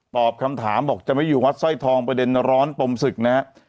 ตอบคำถามบอกจะไม่อยู่วัดสร้อยทองประเด็นร้อนปมศึกนะฮะ